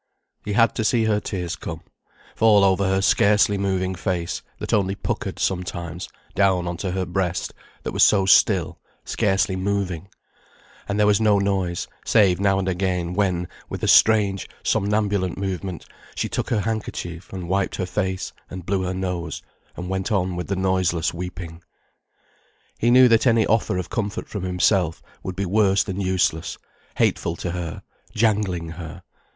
He had to see her tears come, fall over her scarcely moving face, that only puckered sometimes, down on to her breast, that was so still, scarcely moving. And there was no noise, save now and again, when, with a strange, somnambulant movement, she took her handkerchief and wiped her face and blew her nose, and went on with the noiseless weeping. He knew that any offer of comfort from himself would be worse than useless, hateful to her, jangling her.